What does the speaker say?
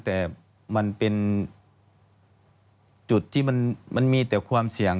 แต่มันเป็นจุดที่มันมีแต่ความเสี่ยง